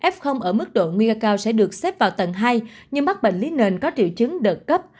f ở mức độ nguy cao sẽ được xếp vào tầng hai nhưng mắc bệnh lý nền có triệu chứng đợt cấp